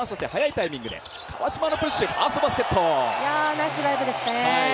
ナイスドライブですね。